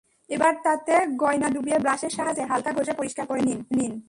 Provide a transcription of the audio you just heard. এবার তাতে গয়না ডুবিয়ে ব্রাশের সাহায্যে হালকা ঘষে পরিষ্কার করে নিন।